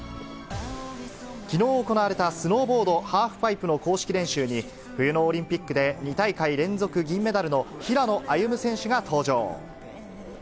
きのう行われたスノーボードハーフパイプの公式練習に、冬のオリンピックで２大会連続銀メダルの平野歩夢選手が登場。